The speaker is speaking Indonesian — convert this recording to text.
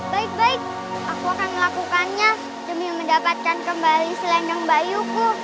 baik baik aku akan melakukannya demi mendapatkan kembali selendong bayuku